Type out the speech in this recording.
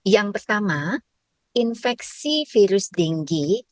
yang pertama infeksi virus tinggi